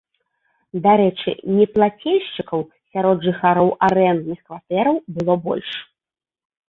Дарэчы, неплацельшчыкаў сярод жыхароў арэндных кватэраў было больш.